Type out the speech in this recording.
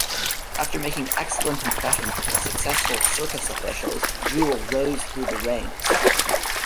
After making excellent impressions with successful circus officials, Jewell rose through the ranks.